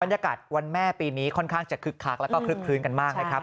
บรรยากาศวันแม่ปีนี้ค่อนข้างจะคึกคักและจะคึกคลืนกันมากนะครับ